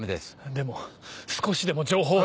でも少しでも情報を。